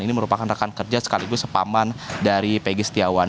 ini merupakan rekan kerja sekaligus sepaman dari pegi setiawan